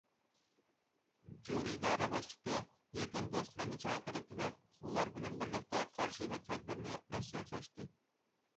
جۇ ئىدارە باشلىقى يېقىن دوستلىرىنى چاقىرىپ كېلىپ، ئۇلار بىلەن بىرلىكتە قارشى تەدبىرنى مەسلىھەتلەشتى.